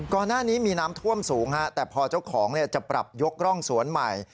ก่อนหน้านี้มีน้ำท่วมสูงแต่พอเจ้าของจะปรับยกร่องสวนใหม่